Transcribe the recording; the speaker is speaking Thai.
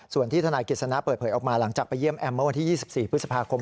ส่วนที่ทนายกฤษณะเปิดเผยออกมาหลังจากไปเยี่ยมแอมเมื่อวันที่๒๔พฤษภาคม